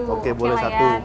oke boleh satu